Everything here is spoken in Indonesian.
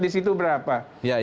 di situ berapa